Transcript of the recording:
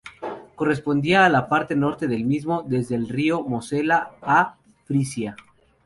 Correspondía a la parte norte del mismo, desde el río Mosela a Frisia.